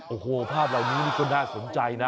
โอ้โหภาพเหล่านี้นี่ก็น่าสนใจนะ